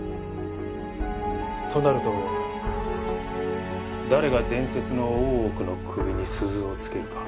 となると誰が伝説の大奥の首に鈴を付けるか。